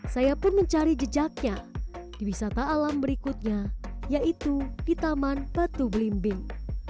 saya pun mencari jejaknya di wisata alam berikutnya yaitu di taman batu belimbing